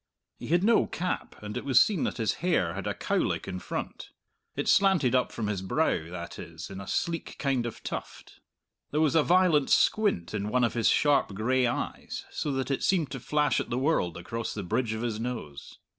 He had no cap, and it was seen that his hair had a "cow lick" in front; it slanted up from his brow, that is, in a sleek kind of tuft. There was a violent squint in one of his sharp gray eyes, so that it seemed to flash at the world across the bridge of his nose.